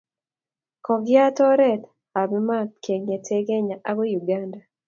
kokiyat oret ab maat kengete Kenya akoi Uganda